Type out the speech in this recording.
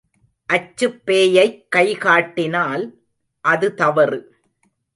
அச்சுப் பேயைக் கைகாட்டினல், அது தவறு!